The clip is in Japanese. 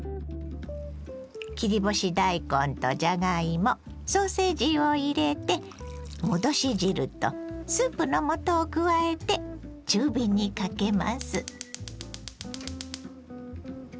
切り干し大根とじゃがいもソーセージを入れて戻し汁とスープの素を加えて中火にかけます。